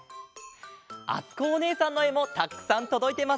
あつこおねえさんのえもたくさんとどいてますよ！